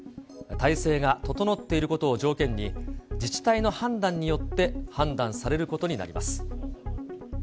体制が整っていることを条件に、自治体の判断によって判断されることになります。